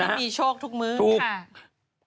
ที่มีโชคทุกมื้อค่ะ